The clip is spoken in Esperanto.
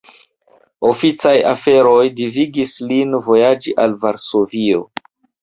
Oficaj aferoj devigis lin vojaĝi al Varsovio.